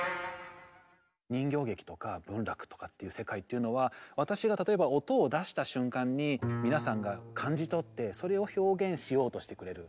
人形劇とか文楽とかっていう世界っていうのは私が例えば音を出した瞬間に皆さんが感じ取ってそれを表現しようとしてくれる。